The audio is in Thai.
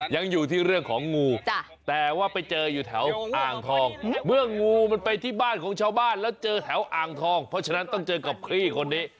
ยังอยู่ที่เรื่องของงูแต่ว่าไปเจออยู่แถวอ่างทองเมื่องูมันไปที่บ้านของชาวบ้านแล้วเจอแถวอ่างทองเพราะฉะนั้นต้องเจอกับพี่คนนี้